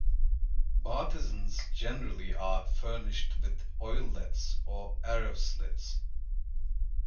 Bartizans generally are furnished with oillets or arrow slits.